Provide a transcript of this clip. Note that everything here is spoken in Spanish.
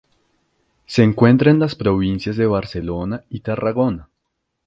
Se encuentra en las provincias de Barcelona y Tarragona.